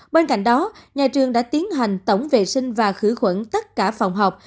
bên cạnh đó nhà trường đã tiến hành tổng vệ sinh và khử khuẩn tất cả phòng học